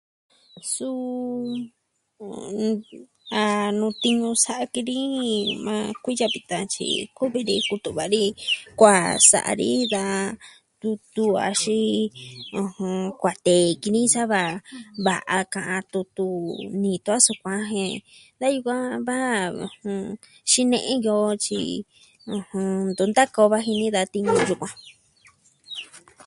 Suu a nuu tiñu sa'a ki ni ma kuiya vitan tyi kuvi ni kutu'va ni kuaa sa'a ni da tutu axin kuatee ki ni sa va, va'a ka'an tutu ni, tun a sukuan jen da yukuan va xine'e yo tyi ntu vi ntaka o koo va jini da tiñu yukuan.